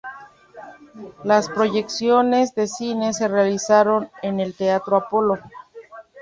Las proyecciones de cine se realizaron en el Teatro Apolo.